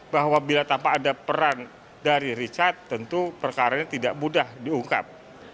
bahwa bila tanpa ada peran dari richard tentu perkara ini tidak mudah diungkap